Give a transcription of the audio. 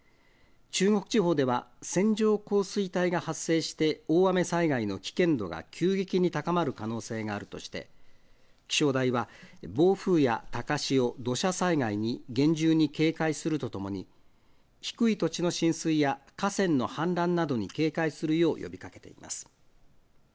中国地方では線状降水帯が発生して、大雨災害の危険度が急激に高まる可能性があるとして、気象台は、暴風や高潮、土砂災害に厳重に警戒するとともに、低い土地の浸水や河川の氾濫などに警戒するよう呼びかけています。